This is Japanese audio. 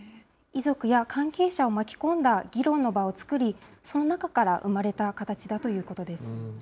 遺族や関係者を巻き込んだ議論の場を作り、その中から生まれた形だということです。